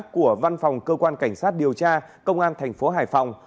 của văn phòng cơ quan cảnh sát điều tra công an thành phố hải phòng